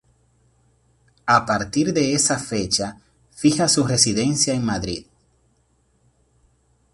A partir de esa fecha fija su residencia en Madrid.